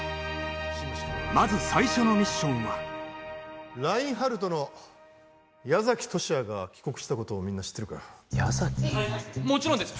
まず最初のミッションはラインハルトの矢崎十志也が帰国したことをみんな知ってるか矢崎もちろんです